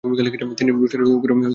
তিনি ব্রুস্টার এর উপর একটি বই লিখেছেন।